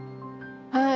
はい。